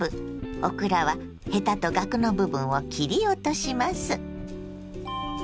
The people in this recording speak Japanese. オクラはヘタとがくの部分を切り落とします。